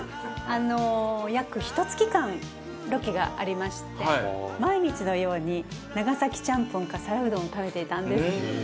あの約ひと月間ロケがありまして毎日のように長崎ちゃんぽんか皿うどんを食べていたんです。